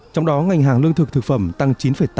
trong đó ngành hàng lương thực thực phẩm tăng chín tám